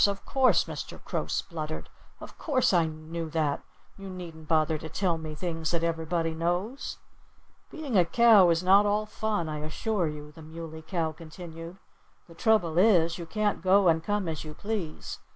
Of course!" Mr. Crow spluttered. "Of course I knew that. You needn't bother to tell me things that everybody knows." "Being a cow is not all fun, I assure you," the Muley Cow continued. "The trouble is, you can't go and come as you please.